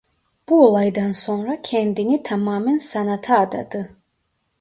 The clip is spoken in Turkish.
Bu olaydan sonra kendini tamamen sanata adadı.